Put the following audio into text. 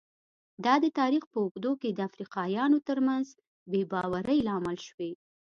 دا د تاریخ په اوږدو کې د افریقایانو ترمنځ بې باورۍ لامل شوي.